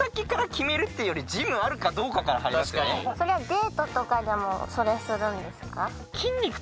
デートとかでもそれするんですか？